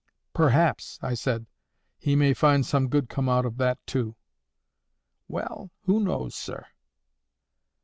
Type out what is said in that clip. "Perhaps," I said, "he may find some good come out of that too." "Well, who knows, sir?"